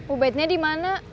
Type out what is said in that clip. ubetnya di mana